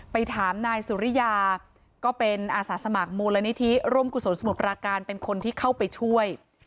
ถามนายสุริยาก็เป็นอาสาสมัครมูลนิธิร่มกุศลสมุทรปราการเป็นคนที่เข้าไปช่วย